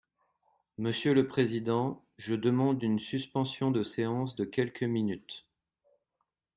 Monsieur le président, je demande une suspension de séance de quelques minutes.